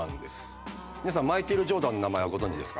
皆さんマイケル・ジョーダンの名前はご存じですか？